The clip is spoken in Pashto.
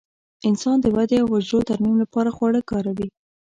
انسان د ودې او حجرو ترمیم لپاره خواړه کاروي.